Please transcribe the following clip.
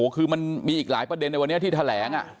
คือมันมีอีกหลายประเด็นในวันนี้ที่แถลง